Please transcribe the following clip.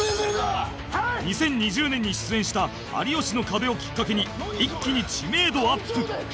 ２０２０年に出演した『有吉の壁』をきっかけに一気に知名度アップ